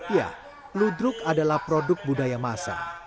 ya ludruk adalah produk budaya masa